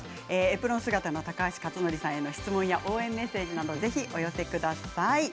エプロン姿の高橋克典さんへの質問や応援メッセージなどぜひお寄せください。